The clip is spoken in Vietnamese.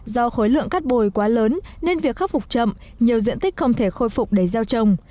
do khối lượng cát bồi quá lớn nên việc khắc phục chậm nhiều diện tích không thể khôi phục để gieo trồng